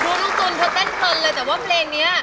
ดูตรงตรงเธอเต้นเผินเลยแต่ว่าเพลงนี้